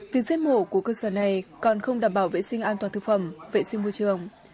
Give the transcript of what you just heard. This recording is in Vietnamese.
việc giết mổ của cơ sở này còn không đảm bảo vệ sinh an toàn thực phẩm vệ sinh môi trường